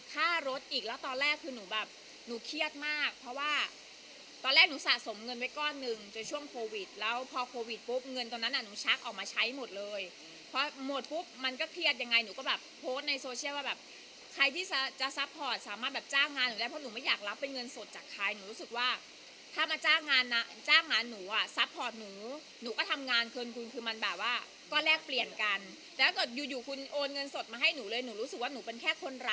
ตอนแรกหนูสะสมเงินไว้ก้อนหนึ่งจนช่วงโควิดแล้วพอโควิดปุ๊บเงินตอนนั้นอ่ะหนูชักออกมาใช้หมดเลยเพราะหมดปุ๊บมันก็เครียดยังไงหนูก็แบบโพสต์ในโซเชียลว่าแบบใครที่จะซัพพอร์ตสามารถแบบจ้างงานหนูได้เพราะหนูไม่อยากรับเป็นเงินสดจากใครหนูรู้สึกว่าถ้ามาจ้างงานหนูอ่ะซัพพอร์ตหนูหนูก็